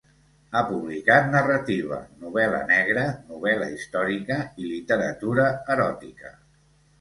Ha publicat narrativa, novel·la negra, novel·la històrica i literatura eròtica.